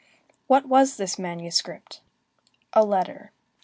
What was this manuscript? A letter.